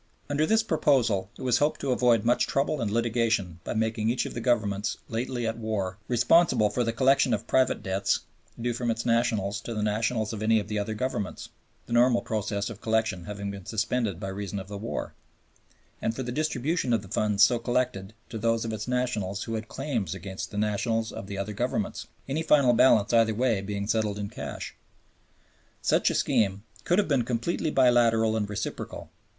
Under this proposal it was hoped to avoid much trouble and litigation by making each of the Governments lately at war responsible for the collection of private debts due from its nationals to the nationals of any of the other Governments (the normal process of collection having been suspended by reason of the war), and for the distribution of the funds so collected to those of its nationals who had claims against the nationals of the other Governments, any final balance either way being settled in cash. Such a scheme could have been completely bilateral and reciprocal.